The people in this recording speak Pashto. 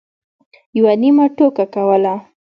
یوه نیمه ټوکه کوله.